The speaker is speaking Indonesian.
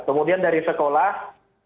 kemudian dari sekolah